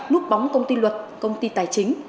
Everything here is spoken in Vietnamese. nút bóng công ty luật công ty tài chính